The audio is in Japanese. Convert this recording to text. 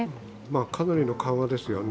かなりの緩和ですよね。